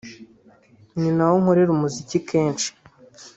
ni naho nkorera umuziki kenshi